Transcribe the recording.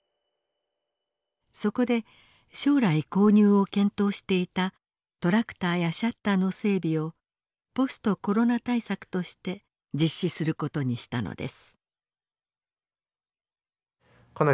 そこで将来購入を検討していたトラクターやシャッターの整備をポストコロナ対策として実施することにしたのです。